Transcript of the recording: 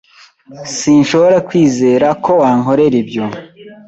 Sinshobora kwizera ko wankorera ibyo